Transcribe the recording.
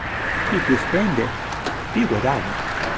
Chi più spende... più guadagna!